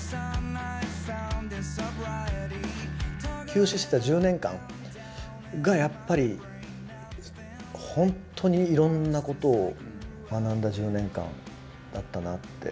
休止してた１０年間がやっぱりほんとにいろんなことを学んだ１０年間だったなって。